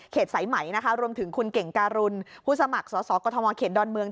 สายไหมนะคะรวมถึงคุณเก่งการุณผู้สมัครสอสอกฎธมเขตดอนเมือง